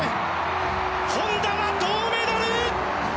本多は銅メダル！